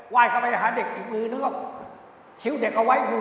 วายกลับไปหาเด็กอีกนื้อนึกว่าคิ้วเด็กเอาไว้อยู่